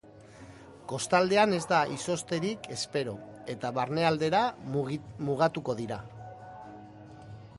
Kostaldean ez da izozterik espero eta barnealdera mugatuko dira.